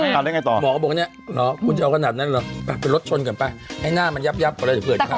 ทำได้ไงต่อหมอก็บอกหรอคุณจะเอาขนาดนั้นหรอไปรถชนกันไปให้หน้ามันยับอะไรเผื่อทำได้วะ